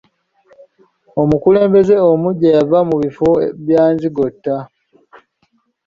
Omukulembeze omuggya yava mu bifo bya nzigotta.